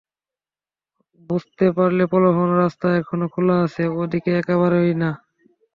বুঝতে পারলে প্রলোভনের রাস্তা এখনো খোলা আছে– ও দিকে একেবারেই না।